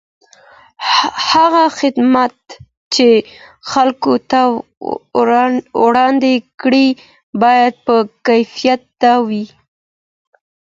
هغه خدمات چي خلګو ته وړاندې کیږي باید با کیفیته وي.